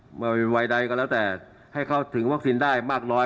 เมื่อวัยใดก็แล้วแต่ให้เขาถึงวัคซีนได้มากน้อย